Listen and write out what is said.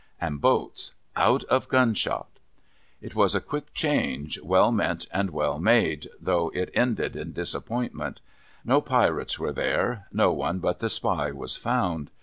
And boats ! Out of gunshot !' It was a quick change, well meant and well made, though it ended in disappointment. No Pirates were there ; no one but the Spy was found.